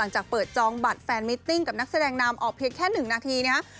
หลังจากเปิดจองบัตรแฟนมิตติ้งกับนักแสดงนามออกเพลงแค่๑นาทีเนี่ย